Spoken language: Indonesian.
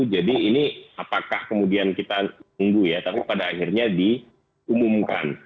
jadi ini apakah kemudian kita tunggu ya tapi pada akhirnya diumumkan